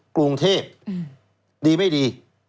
กรุงเทพดีไม่ดี